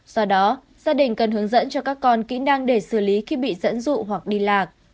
do đó gia đình cần hướng dẫn cho các con kỹ năng để xử lý khi bị dẫn dụ hoặc đi lạc